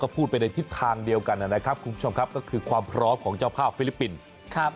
พูดไปในทิศทางเดียวกันนะครับคุณผู้ชมครับก็คือความพร้อมของเจ้าภาพฟิลิปปินส์ครับ